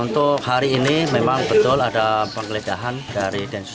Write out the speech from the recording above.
untuk hari ini memang betul ada pengledahan dari densus delapan puluh delapan